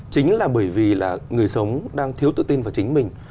chính là bởi vì là người sống đang thiếu tự tin vào chính mình